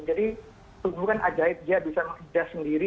jadi itu bukan ajaib ya bisa menghidap sendiri